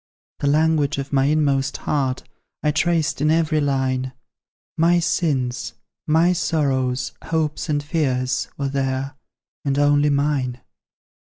The language of my inmost heart I traced in every line; MY sins, MY sorrows, hopes, and fears, Were there and only mine.